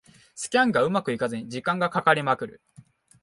スキャンがうまくいかずに時間がかかりまくる